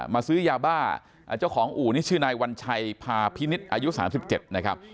ซื้อยาบ้าเจ้าของอู่นี่ชื่อนายวัญชัยพาพินิษฐ์อายุ๓๗นะครับ